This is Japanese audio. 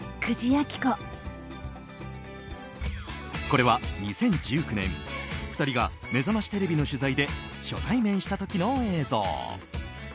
これは２０１９年、２人が「めざましテレビ」の取材で初対面した時の映像。